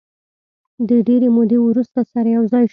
د ډېرې مودې وروسته سره یو ځای شوو.